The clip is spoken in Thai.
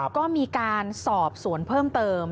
ก็มีการสอบสวนเพิ่มเติม